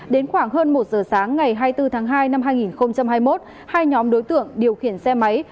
đến khoảng hơn một giờ sáng ngày hai mươi bốn tháng hai năm hai nghìn hai mươi một hai nhóm đối tượng điều khiển xe máy